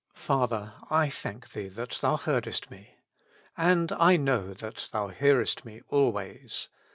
Father^ I thank Thee that Thou heardesi me. And I knew that Thou hearest ifie always.